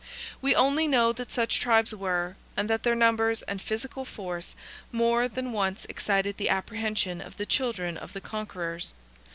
We only know that such tribes were, and that their numbers and physical force more than once excited the apprehension of the children of the conquerors.